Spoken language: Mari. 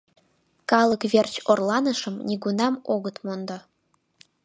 — Калык верч орланышым нигунам огыт мондо.